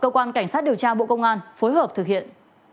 cơ quan cảnh sát điều tra bộ công an phối hợp thực hiện